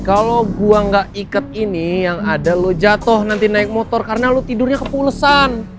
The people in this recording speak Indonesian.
kalo gua ga iket ini yang ada lo jatoh nanti naik motor karena lo tidurnya kepulesan